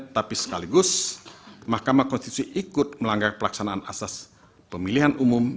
tapi sekaligus mahkamah konstitusi ikut melanggar pelaksanaan asas pemilihan umum